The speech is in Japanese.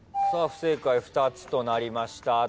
不正解２つとなりました。